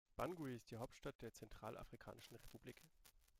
Bangui ist die Hauptstadt der Zentralafrikanischen Republik.